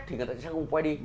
thì người ta sẽ không quay đi